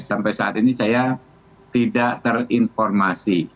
sampai saat ini saya tidak terinformasi